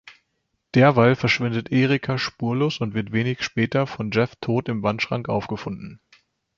Derweil verschwindet Erica spurlos und wird wenig später von Jeff tot im Wandschrank aufgefunden.